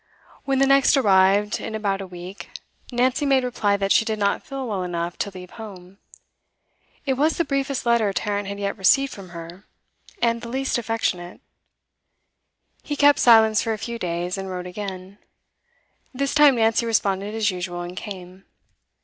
When the next arrived, in about a week, Nancy made reply that she did not feel well enough to leave home. It was the briefest letter Tarrant had yet received from her, and the least affectionate. He kept silence for a few days, and wrote again. This time Nancy responded as usual, and came.